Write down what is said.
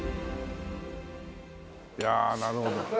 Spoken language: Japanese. いやあなるほど。